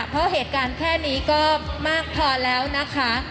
เพราะเหตุการณ์แค่นี้ก็มากพอแล้วนะคะ